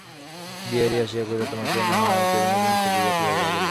বিহারী হাসিয়া কহিল, তোমাকেও নাহয় ক্যাবিনেটের মিনিস্টার করিয়া লওয়া গেল।